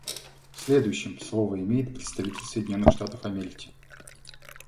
Следующим слово имеет представитель Соединенных Штатов Америки.